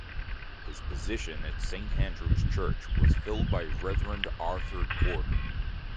His position at St Andrews Church was filled by Rev Arthur Gordon.